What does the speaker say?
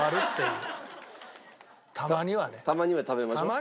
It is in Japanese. たまには食べましょう。